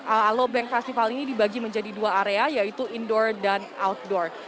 alobank festival ini dibagi menjadi dua area yaitu indoor dan outdoor